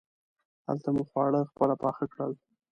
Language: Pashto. هلته مو خواړه خپله پاخه کړل.